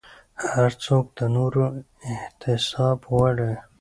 هر څوک د نورو احتساب غواړي